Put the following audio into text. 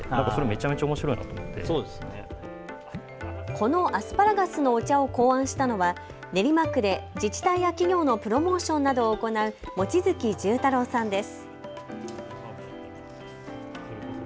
このアスパラガスのお茶を考案したのは練馬区で自治体や企業のプロモーションなどを行う望月重太朗さんです。